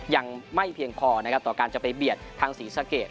ยังไม่เพียงพอนะครับต่อการจะไปเบียดทางศรีสะเกด